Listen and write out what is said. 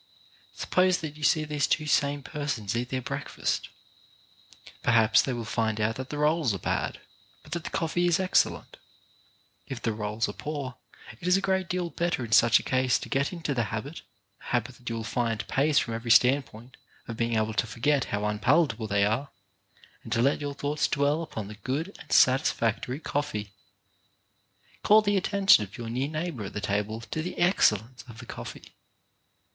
Suppose that you see these same two persons eat their breakfast. Perhaps they will find out TWO SIDES OF LIFE 5 that the rolls are bad, but that the coffee is ex cellent. If the rolls are poor, it is a great deal better in such a case to get into the habit— a habit that you will find pays from every standpoint — of being able to forget how unpalatable they are, and to let your thoughts dwell upon the good and satisfactory coffee. Call the attention of your near neighbour at the table to the excellence of the coffee.